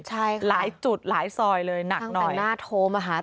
ใช่ค่ะหลายจุดหลายซอยเลยหนักหน่อยตั้งแต่หน้าโทมอ่ะฮะ